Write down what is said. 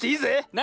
な！